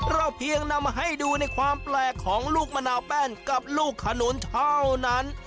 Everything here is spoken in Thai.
เพียงนำมาให้ดูในความแปลกของลูกมะนาวแป้นกับลูกขนุนเท่านั้น